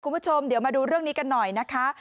คุณผู้ชมเดี๋ยวมาดูเรื่องนี้กันหน่อยนะคะ